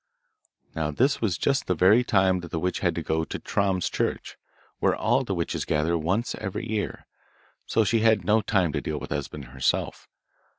Now this was just the very time that the witch had to go to Troms Church, where all the witches gather once every year, so she had no time to deal with Esben herself.